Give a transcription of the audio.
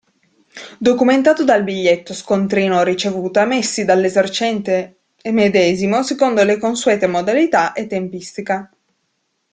Documentato dal biglietto, scontrino o ricevuta messi dall'esercente medesimo secondo le consuete modalità e tempistica.